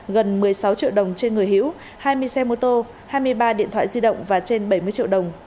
gần một mươi sáu triệu đồng trên người hữu hai mươi xe mô tô hai mươi ba điện thoại di động và trên bảy mươi triệu đồng